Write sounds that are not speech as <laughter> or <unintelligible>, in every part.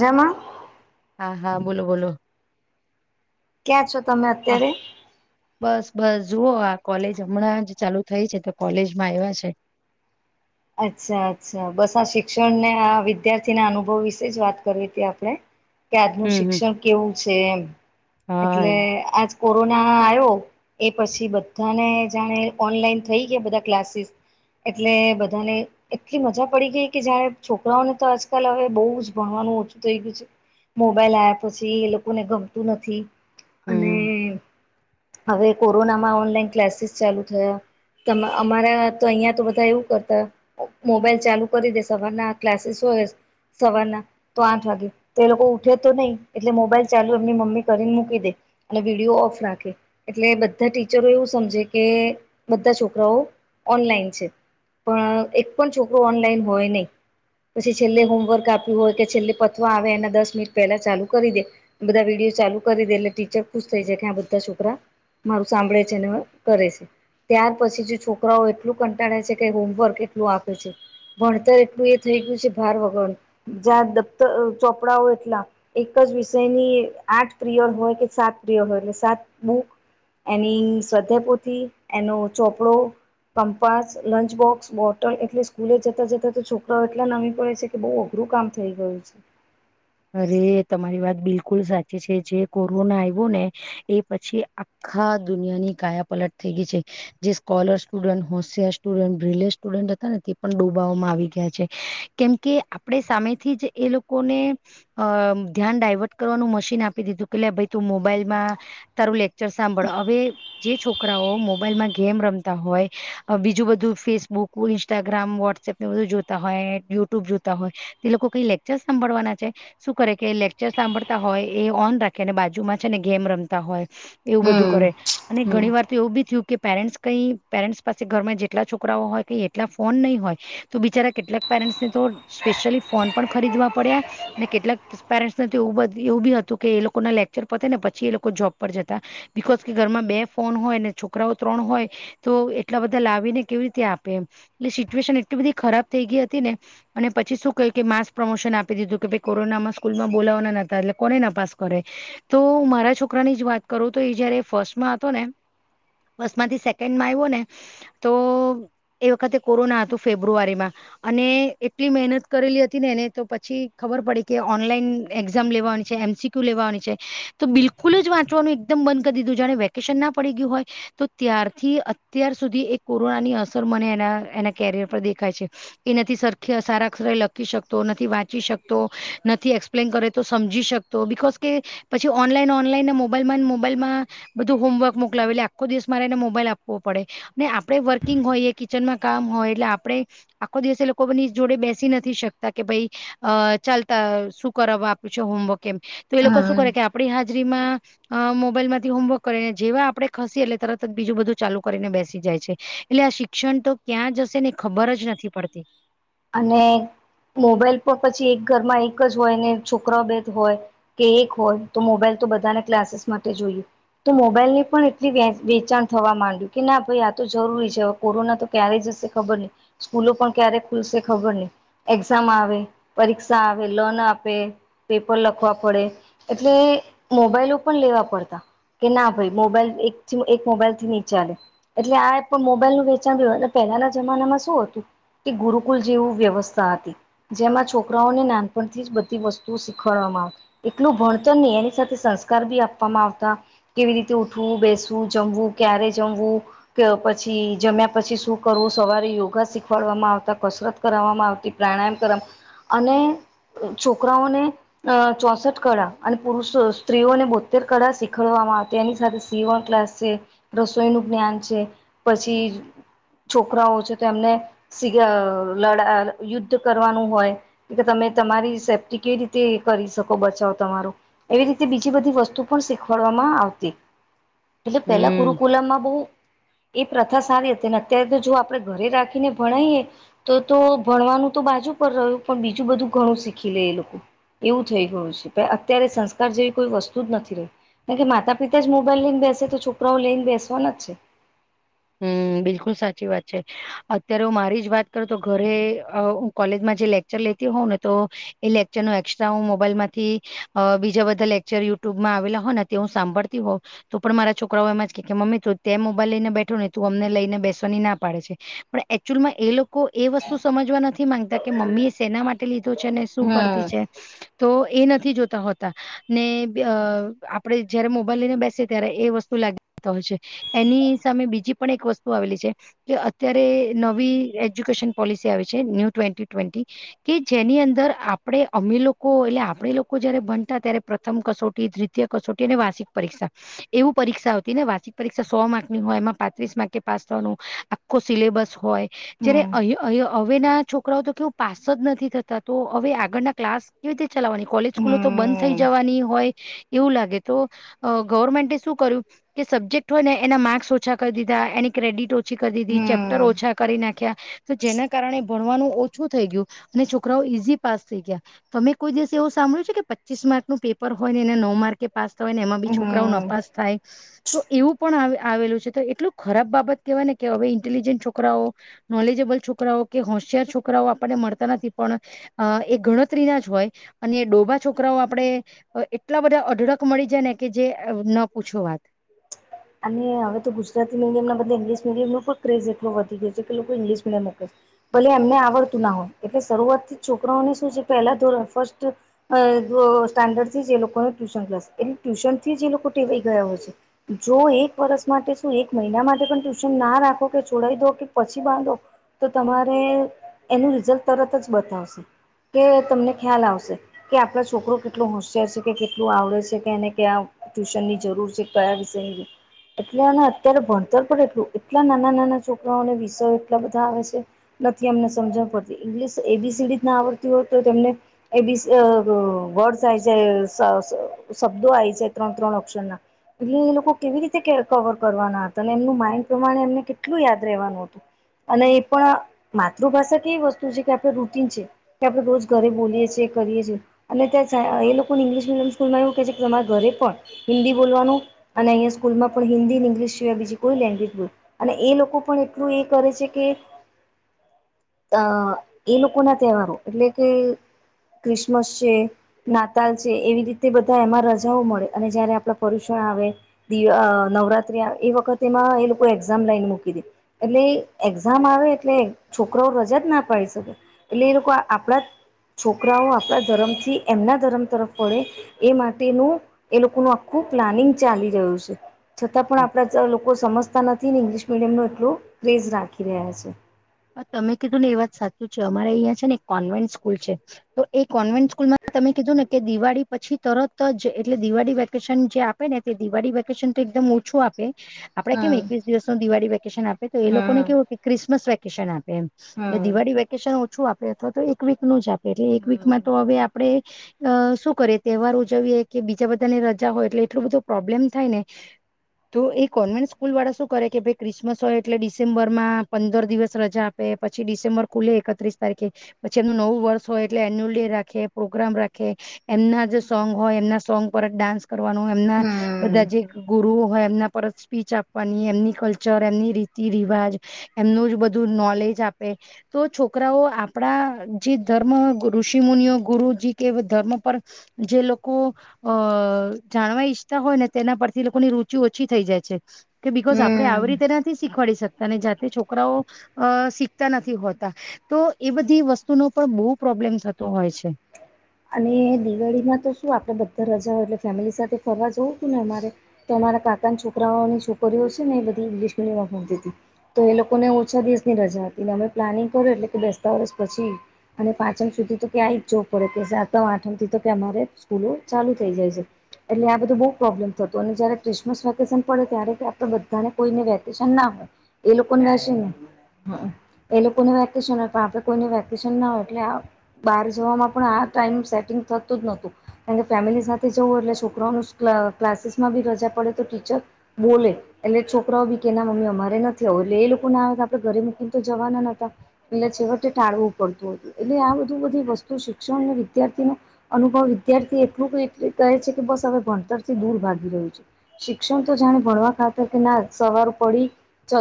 જેમાં હા હા બોલો બોલો. ક્યાં છો તમે હા અત્યારે બસ બસ જુઓ આ કોલેજ હમણાં જ ચાલુ થઈ છે તો કોલેજ માં આવ્યા છે. અચ્છા અચ્છા બસ આ શિક્ષણને આ વિદ્યાર્થીના અનુભવ વિશે જ વાત કરવી હતી. આપણે કે આજનું હમ હમ શિક્ષણ કેવું છે, એમ હા એટલે આજ કોરોના આવ્યો એ પછી બધાને જાણે ઓનલાઈન થઈ ગયા. બધા ક્લાસીસ એટલે બધાને એટલી મજા પડી ગઈ કે જયારે છોકરાઓને તો આજકાલ હવે બહુ જ ભણવાનું ઓછું થઈ ગયું છે. મોબાઈલ આવ્યા પછી એ લોકોને ગમતું નથી અને હમ હવે કોરોનામાં ઓનલાઈન ક્લાસીસ ચાલુ થયા અમારા તો અહિયાં તો બધા એવું કર મોબાઈલ ચાલુ કરી દે સવારના ક્લાસીસ હોય સવારના તો આઠ વાગે તો એ લોકો ઉઠે તો નહીિ એટલે મોબાઈલ ચાલુ એમની મમ્મી કરીને મૂકી દે અને વિડીયો ઓફ રાખે એટલે બધા ટીચરો એવું સમજે કે બધા છોકરાઓ ઓનલાઈન છે પણ એક પણ છોકરો ઓનલાઈન હોય નહી, પછી છેલ્લે હોમવર્ક આપ્યું હોય કે છેલ્લે પથવા આવે એના દસ મિનિટ પહેલા ચાલુ કરી દે બધા વિડીયો ચાલુ કરી દે એટલે ટીચર ખુશ થઇ જાય કે્યાં બધા છોકરા મારું સાંભળે છે અને કરે છે ત્યાર પછી જે છોકરાઓ એટલું કંટાળે છે હોમવર્ક એટલું આપે છે ભણતર એટલું એ થઈ ગયું છે ભાર વગર જ્યાં દફતર ચોપડાઓ એટલા એક જ વિષયની આઠ પ્રિય હોય કે સાત પ્રિય હોય એટલે સાત બુ એની શધેપોથી એનો ચોપડો કંપાસ લંચ બોક્સ બોટલ એટલે સ્કૂલે જતા જતા તો છોકરાઓ એટલા નવી પડે છે કે બઉુ અઘરું કામ થઈ ગયું છે અરે તમારી વાત બિલકુલ સાચી છે, જે કોરોના આવ્યો ને એ પછી હા દુનિયાની કાયા પલટ થઈ ગઈ છે. જે સ્કોલર સ્ટુડન્ટ હોશિયાર સ્ટુડન્ટ બ્રિલે સ્ટુડન્ટ હતા ને તે પણ ડૂબવામાં આવી ગયા છે કેમ કે આપણેે સામેથી જ એ લોકોને. અ ધ્યાન ડાયવર્ટ કરવાનું મશીન આપી દીધું કે લ ભાઈ તું મોબાઈલમાં તારું લેક્ચર સાંભળો હવે, જે છોકરાઓ મોબાઈલમાં ગેમ રમતા હોય બીજું બધું ફેસબુક કોુલ ઇન્સ્ટાગ્રામ વ્હોટસઅપ એ બધું જોતા હોય યુટ્યુબ જોતા હોય તે લોકો કઈ લેકચર સાંભળવાના છે શું કરે કે લેક્ચર સાંભળતા હોય એ ઓન રાખે અને બાજુમાં છે. ને ગેમ રમતા હોય એવું બધું હમ કરે અને ઘણી વાર તો એવું બી થયું કે પેરેન્ટ્સ કઈ પેરેન્ટ્સ પાસે ઘરમાં જેટલા છોકરાઓ હોય કઈ એટલા ફોન નહીં હોય તો બિચારા કેટલાક પેરેન્ટ્સને તો સ્પેશ્યલી ફોન પણ ખરીદવા પડ્યા ને કેટલાક પેરેન્ટ્સને એવું એવું બી હતું કે એ લોકો ના લેક્ચર પતે ને પછી એ લોકો જોબ પર જતા બીજુ કશુ નહી ઘરમાં બે ફોન હોય અને છોકરાઓ ત્રણ હોય, તો એટલા બધા લાવી ને કેવી રીતે આપે એમ એટલે સિચ્યુએશન એટલી બધી ખરાબ થઈ ગઈ હતી ને અને પછી શું કહ્યું કે માસ પ્રમોશન આપી દીધું કે ભ કોરોનામાં સ્કૂલ માં બોલાવાના નતા એટલે કોને નાપાસ કરે તો મારા છોકરાની જ વાત કરું તો એ જયારે ફર્સ્ટમાં હતો ને બસ માંથી સેકન્ડ માં આવ્યો ને તો એ વખતે કોરોના હતું ફેબ્રુઆરીમાં અને એટલી મહેનત કરેલી હતી ને એને તો પછી ખબર પડીે કે ઓનલાઈન એક્ઝામ લેવાની છે એમસીક્યુ લેવાની છે તો બિલકુલ જ વાંચવાનું એકકમ બંધ કરી દીધું જાણે વેકેશન ના પડી ગયું હોય, તો ત્યારથી અત્યાર સુધી એ કોરોનાની અસર મને એના એના કેરિયર પર દેખાય છે એ નથી સરખ સારાક્ષરે લખી શકતો નથી વાંચી શકતો, નથી એક્સપ્લેન કરે તો સમજી શકતો બિકોઝ કે પછી ઓનલાઈન ઓનલાઈનને મોબાઈલમાં મોબાઈલમાં. બધું હોમવર્ક મોકલાવે આખો દિવસ મારે એને મોબાઈલ આપવો પડે અનેને આપે વર્કિંગ હોઈએ કિચનમાં. કામ હોય એટલે આપણે આખો દિવસે લોકોની જોડે બેસી નથી શકતા કે ભાઈ. ચાલતા શું કર આપ્યું છે હોમવર્ક એમ તો એ લોકો શું હમ કરે કે આપણી હાજરીમાં. અ મોબાઈલ માંથી હોમવર્ક કરીને જેવા આપડણે ખસીએ એટલે તરત જ બીજું બધું ચાલુ કરીને બેસી જાય છે. એટલે આ શિક્ષણ તો ક્યાં જશે ને ખબર જ નથી પડતી. અને મોબાઈલ પર પછી એક ઘરમાં એક જ હોય ને છોકરા બેદ હોય. કે એક હોય તો મોબાઈલ તો બધાને ક્લાસીસ માટે જોઈએ. તો મોબાઈલ ની પણ એટલી વેચાણ થવા માંડ્યું કે ના ભાઈ આ તો જરૂરી છે. કોરોના તો ક્યારેય જશે ખબર નહી સ્કૂલો પણ ક્યારે ખુલશે ખબર નહી. એક્ઝામ આવે પરીક્ષા આવે લોન આપે. પેપર લખવા પડે એટલે મોબાઈલો પણ લેવા પડતા. કે ના ભાઈ મોબાઈલ એક એક મોબાઈલ થી નીચેલે. એટલે આ એપ મોબાઈલનુંું વેચાણ પહેલાના જમાનામાં શું હતું કે ગુરુ. કુલ જેવું વ્યવસ્થા હતી જેમાં છોકરાઓને નાનપણથી જ બધી વસ્તુઓ શીખવાડવામાં આવતી. એટલું ભણતર નહી એની સાથે સંસ્કાર બી આપવામાં આવતા. કેવી રીતે ઉઠવું બેસવું જમવું ક્યારે જમવું. કે પછી જમ્યા પછી શું કરવું સવારે યોગા શીખવાડવામાં આવતા. કસરત કરવામાં આવતી પ્રાણાયામ કર અને છોકરાઓને. અ ચોસઠ કળા અને પુરુષો સ્ત્રીઓને બોતેર કળા શીખડવામાં આવે. તેની સાથે સીવણ ક્લાસ છે રસોઈ નું જ્ઞાન છે પછી. છોકરાઓ છે તેમને લડા યુદ્ધ કરવાનું હોય. તમે તમારી સેફ્ટી કેવી રીતે કરી શકો બચાવ તમારો. એવી રીતે બીજી બધી વસ્તુ પણ શીખવાડવામાં આવતી. એટલે પેલા હમ કુરુકુલામાં બહુ. એ પ્રથા સારી હતી અત્યારે તો જો આપડણે ઘરે રાખીને ભણાઈએ. તો તો ભણવાનું તો બાજુ પર રહ્યું પણ બીજું બધું ઘણું શીખી લે એ લોકો. એવું થઈ ગયું છે અત્યારે સંસ્કાર જેવી કોઈ વસ્તુ જ નથી રહી. કારણ કે માતા પિતા જ મોબાઈલ લઈને બેસે તો છોકરાઓ લઈને બેસવાના જ છે. હમ બિલકુલ સાચી વાત છે. અત્યારે હું મારી જ વાત કરું તો ઘરે કોલેજમાં જે લેક્ચર લેતી હોઉં ને તો. એ લેક્ચર નું એક્સ્ટ્રા હું મોબાઈલ માંથી બીજા બધા લેક્ચર યુટ્યુબમાં આવેલા હો. હું સાંભળતી હોઉ તો પણ મારા છોકરાઓ એમાં જ કેમ્ી તું ત મોબાઈલ લઈને બેઠ. તું અમને લઈને બેસવાની ના પાડે છે પણ એકચુઅલમાં એ લોકો એ વસ્તુ સમજવા નથી માંગતા. કે મમ્મી એ શેના માટે લીધો છે ને શું કરતી છે તો એ નથી જોતા હોતા. ને અ આપડે જયારે મોબાઈલ લઈને બેસે ત્યારે એ વસ્તુ લાગી જતા હોય છે. એની સામે બીજી પણ એક વસ્તુ આવેલી છે. કે અત્યારે નવી એજ્યુકેશન પોલિસી આવી છે ન્યૂ ટ્વેન્ટી ટ્વેન્ટી. કે જેની અંદર આપણેે અમે લોકો એટલે આપણે લોકો જયારે બનતા ત્યારે પ્રથમ કસોટી. કસોટી અને વાર્ષિક પરીક્ષા એવું પરીક્ષા હતી ને વાર્ષિક પરીક્ષા સો માર્ક ની હોય એમાં. પાસ થનું આખો સિલેબસ હોય જ હમ અ. અ હવે ના છોકરાઓ તો કેવું પાસ જ નથી થતા તો હવે આગળના ક્લાસ. કેવી રીતે ચલાવવાની કોલેજ સ્કૂલો તો બંધ થઈ હમ જવાની હોય એવું લાગે તો ગવર્મેન્ટ શું. કે સબ્જેક્ટ હોય ને એના માર્ક્સ ઓછા. ા એની ક્રેડિટ ઓછી કરી દીધી ચેપ્ટર હમ ઓછા કરી નાખ્યા તો જેના કારણે. ભણવાનું ઓછું થઈ ગયું અને છોકરાઓ ઈઝી પાસ થઈ ગયા. તમે કોઈ દિવસે એવું સાભળ્યું છે કે પચીસ માર્કનું પેપર હોયને એને નવ માર્કે. પાસ થય ને એમાં બી છોકરાઓ ન હમ પાસ થાય તો એવું પણ આવેલું છે તો. એટલું ખરાબ બાબત કહેવાય ને કે હવે ઇન્ટેલિજન્ટ છોકરાઓ. નોલેજેબલ છોકરાઓ કે હોશિયાર છોકરાઓ આપણને મળતા નથી પણ. અ એ ગણતરીના જ હોય અને ડોભા છોકરાઓ આપણેે એટલા બધા અઢળક મળી જાય ને કે જે ન પૂછો વાત <unintelligible> અને હવે તો ગુજરાતી મીડિમ બધ ઇ્લિશ મીડિયમો પણ ક્રેજ એટલો વધી ગયો છે કે લોકો ંગલિશ મીડિયમમાં કર છે ભલે એમને આવડતું ના હોય એટલે શરૂઆત થી છોકરાઓને શું છે પહેલા ધોરણ ફર્સ્ટ અ સ્ટાન્ડર્ડ થી એ લોકોને ટ્યુશન ક્લાસ એટ ટ્યુશન થી એ લોકો ટેવાઈ ગયા હોય છે જો એક વર્ષ માટે શું એક મહિના માટે પણ ટ્યુશન ના રાખો કે છોડાઈ દો કે પછી બાંધો તો તમારે એનું રિઝલ્ટ તરત જ બતાવશે કે તમને ખ્યાલ આવશે કે આપડા છોકરો કેટલું હોશિય છે કે કેટલું આવડે છે કે એને ક્યા ટ્યુશન ની જરૂર છે કયા વિષ એટલે અને અત્યારે ભણતર પણ એટલું એટલા નાના નાના છોકરાઓને વિષયો એટલા બધા આવે છે નથી અમને સમજવા પડતી ઇંગ્લિશ એબીસીડી ના આવડતી હોય તો તેમને એ બી આ વ વર્ડ્સ આઈ જાય સ સ શબ્દો આવી છે ત્રણ ત્રણ અક્ષર ના એટલે એ લોકો કેવી રીતે કવર કરવાના હતા અને એમનું માઇન્ડ પ્રમાણે એમને કેટલું યાદ રહેવાનું હતું અને એ પણ માતૃભાષા કેવી વસ્તુ છે કે આપડ રૂટીન છે કે આપણે રોજ ઘરે બોલીએ છીએ કરીએ છીએ અને ત્યાં એ લોકોને ઇંગ્લિશ મીડિયમ સ્કૂલમાં એવું કે છે કે તમારા ઘરે પણ હિન્દી બોલવાનું અને અહીં સ્કૂલમાં પણ હિન્દી ઈંગ્લીશ જેવા બી કોઈ લેંગ્વેજ બ અને એ લોકો પણ એટલું એ કરે છે કે એ લોકોના તહેવારો એટલે કે ક્રિસમસ છે નાતાલ છે એવી રીતે બધા એમાં રજાઓ મળે અને જયારે આપણા પરુષણ આવે દ નવરાત્રી એ વખત એમાં એ લોકો એક્ઝામ લાઈન મૂકી દી એટલે એક્ઝામ આવે એટલે છોકરાઓ રજા જ ના પાડી શકે એટલે એ લોકો આપણા છોકરાઓ આપણા ધર્મથી એમના ધર્મ તરફ વળે એ માટેનું એ લિકો નુ આખું પ્લાનિંગ ચાલી રહ્યું છે છતાં પણ આપણા લોકો સમજતા નથી ને ઇંગ્લિશ મીડિયમ ન એટલું ક્રેઝ રાખી રહ્યા છે તમે કીધું ને એ વાત સાચું છે અમારે અહિયા છે ને એક કોન્વેન્ટ સ્કૂલ છે તો એ કોન્વેન્ટ સ્કૂલમાં તમે કીધું ને કે દિવાળી પછી તરત જ એટલે દિવાળી વેકેશન જે આપ ને તે દિવાળી વેકેશન તો એકદમ ઓછું આપે આપડે કેમ હમ એકવીસ દિવસ નો દિવાળી વેકેશન આપે તો એ લોકોને હમ કેવું કે ક્રિસમસ વેકેશન આપે એમ એટલે હમ દિવાળી વેકેશન ઓછું આપે અથવા તો એક વીક નું જ આપે એટલે એક હમ વીકમાં તો હવે આપડે અ શું કરીએ તહેવાર ઉજવીએ કે બીજા બધાને રજા હોય એટલે એટલું બધું પ્રોબ્લેમ થાય ને તો એ કોન્વેન્ટ સ્કૂલ વાળા શું કરે કે ભાઈ ક્રિસમસ હોય એટલે ડિસેમ્બર માં પંદર દિવસ રજા આપે પછી ડિસેમ્બર ખુલે એકત્રીસ તારીખે પછી એમનું નવું વર્ષ હોય એટલે એન્યુઅલ ડે રાખે પ્રોગ્રામ રાખે એમના જે સોંગ હોય એમના સોંગ પર જ ડાન્સ કરવાનું એમના બધા હમ જે ગુરુઓ હોય એમના પર સ્પીચ આપવાની એમની કલ્ચર એમની રીતિ રિવાજ એમનું જ બધું નોલેજ આપે તો છોકરાઓ આપણા જે ધર્મ ઋષિ મુનિઓ ગુરુજી કે ધર્મ પર જે લોકો અ જાણવા ઈચ્છતા હોય ને તેના પરથી લોકોની રુચિ ઓછી થઈ જાય છે કે બિકોઝ આપડણે હમ આવી રીતે નથી શીખવાડી શકતા ને જાતે છોકરાઓ અ શીખતા નથી હોતા તો એ બધી વસ્તુનો પણ બહુ પ્રોબ્લેમ થતો હોય છે અને દિવાળીમાં તો શું આપડે બધા રજાઓ એટલે ફેમિલી સાથે ફરવા જવું છું ને અમારે તો અમારાં કાકા ના છોકરાઓની છોકરીઓ છે ને એ બધી ઇંગ્લિશ મીડિયમમાં ભળતી હતી તો એ લોકોને ઓછા દિવસ ની રજા હતી ને અમે પ્લાનિંગ કર્યું એટલે કે બેસતા વર્ષ પછી અને પાચન સુધી તો ક્યાંય જવું પડે કે સાતમ આઠમ થી તો કે અમારે સ્કૂલો ચાલુ થઇ જાય છે એટલે આ બધું બહુ પ્રોબ્લેમ થતુ અને જ્યારે ક્રિસમસ વેકેશન પડે ત્યારે કે આપણે બધાને કોઈને વેકેશન ના હોય એ લોકો ને શુ હ એ લોકોને વેકેશન હોય પણ આપડે કોઈને વેકેશન ના હોય એટલે બહાર જવામાં પણ આ ટાઈમ સેટિંગ થતું જ નહોતું કારણ કે ફેમિલી સાથે જવું એટલે છોકરાઓ નુ ક્લાસીસમાં બી રજા પડે તો ટીચર બોલે એટલે છોકરાઓ બી કે ના મમ્મી અમારે નથી આવું એટલે એ લોકો ના આવે આપડે ઘરે મૂકીને તો જવાના નતા એટલે છેવટે ટાળવું પડતું હતું એટલે આ બધું બધી વસ્તુ શિક્ષણ ને વિદ્યાર્થી નો અનુભવ વિદ્યાર્થી એટલું એટ કહે છે કે બસ હવે ભણતર થી દૂર ભાગી રહ્યું છે શિક્ષણ તો જાણે ભણવા ખાતા કે ના સવાર પડી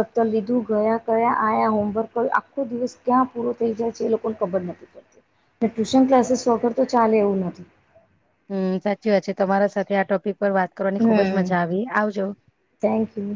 દફ્તર લીધું ગયા કયા આ હોમવર્ક દિવસ ક્યાં પૂરો થઈ જાય છે એ લોકોને ખબર નથી પડતી ટ્યુશન ક્લાસ સગર તો ચાલે એવું નથી હમ સાચી વાત છે તમારા સાથે આ ટોપિક પર વાત કરવાની ખુબજ હમ મજા આવી આવજો થેન્ક યુ